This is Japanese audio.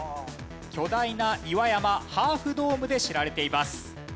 巨大な岩山ハーフドームで知られています。